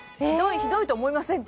ひどいと思いませんか？